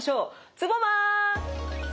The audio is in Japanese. ツボマン！